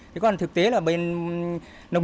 thế còn thực tế là bên